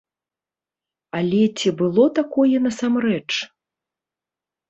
Але ці было такое насамрэч?